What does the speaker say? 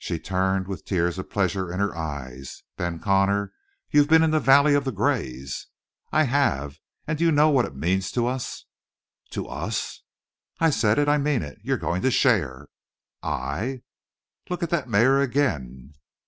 She turned with tears of pleasure in her eyes. "Ben Connor, you've been in the valley of the grays!" "I have. And do you know what it means to us?" "To us?" "I said it. I mean it. You're going to share." "I " "Look at that mare again!"